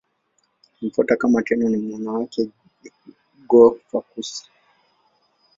Aliyemfuata kama Tenno ni mwana wake Go-Fukakusa.